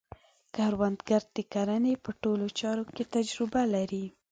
کروندګر د کرنې په ټولو چارو کې تجربه لري